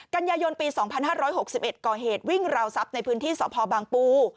กันยายนปีสองพันห้าร้อยหกสิบเอ็ดก่อเหตุวิ่งราวทรัพย์ในพื้นที่สภบางปู